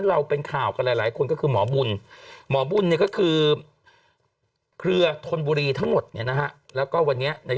แล้วคุณหมอให้พี่ทำอย่างไรคะตอนนี้